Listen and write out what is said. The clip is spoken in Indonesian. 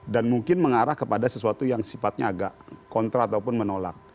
dan mungkin mengarah kepada sesuatu yang sifatnya agak kontra ataupun menolak